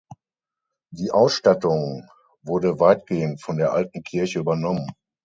Die Ausstattung wurde weitgehend von der alten Kirche übernommen.